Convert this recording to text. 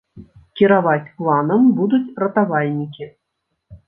Кіраваць планам будуць ратавальнікі.